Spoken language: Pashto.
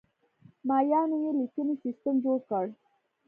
مایانو یو لیکنی سیستم جوړ کړ.